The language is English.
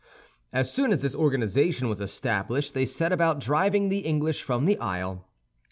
As soon as this organization was established, they set about driving the English from the Isle.